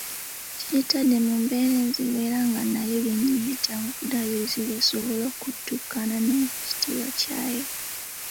Kkigitadde mu mbeera enzibu era nga nayo yennyini yeetaaga okuddaabirizibwa esobole okutuukana n'ekitiibwa ky'ayo.